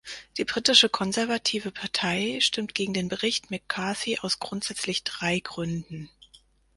Die britische Konservative Partei stimmt gegen den Bericht McCarthy aus grundsätzlich drei Gründen.